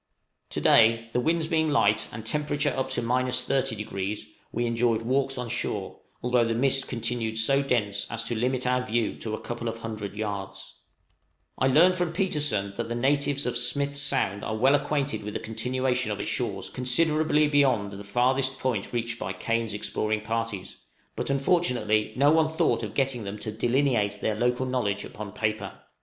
To day, the winds being light and temperature up to 30°, we enjoyed walks on shore, although the mist continued so dense as to limit our view to a couple of hundred yards. {PETERSEN'S INFORMATION.} I learn from Petersen that the natives of Smith's Sound are well acquainted with the continuation of its shores considerably beyond the farthest point reached by Kane's exploring parties, but unfortunately no one thought of getting them to delineate their local knowledge upon paper.